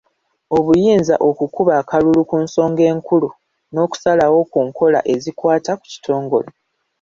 Obuyinza okukuba akalulu ku nsonga enkulu n'okusalawo ku nkola ezikwata ku kitongole.